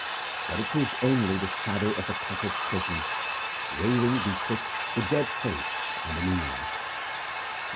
But it was only the shadow of a tattered curtain, waving betwixt the dead face and the moonlight.